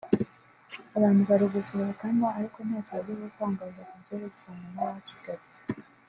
abantu bari gusohokamo ariko ntacyo yigeze atangaza ku byerekeranya n’abakigabye